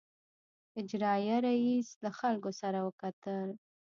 اجرائیه رییس له خلکو سره وکتل.